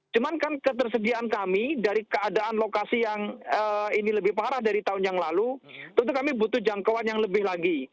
cuman kan ketersediaan kami dari keadaan lokasi yang ini lebih parah dari tahun yang lalu tentu kami butuh jangkauan yang lebih lagi